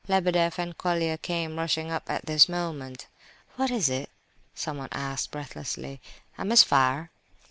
Lebedeff and Colia came rushing up at this moment. "What is it?" someone asked, breathlessly—"A misfire?"